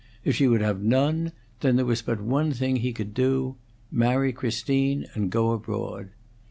If she would have none, then there was but one thing he could do: marry Christine and go abroad.